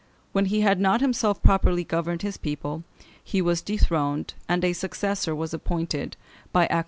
When he had not himself properly governed his people, he was dethroned, and a successor was appointed by acclamation.